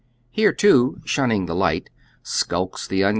Here, too, shunning the light, skulks the un _.